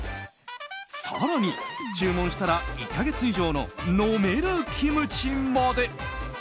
更に、注文したら１か月以上の飲めるキムチまで。